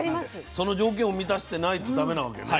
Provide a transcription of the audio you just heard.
その条件を満たしてないとダメなわけね。